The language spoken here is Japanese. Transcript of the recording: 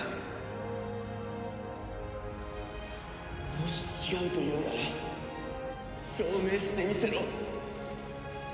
もし違うというなら証明してみせろ。